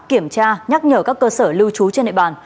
kiểm tra nhắc nhở các cơ sở lưu trú trên địa bàn